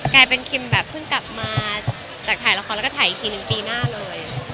กลายเป็นคิมแบบเพิ่งกลับมาจากถ่ายละครแล้วก็ถ่ายอีกทีหนึ่งปีหน้าเลย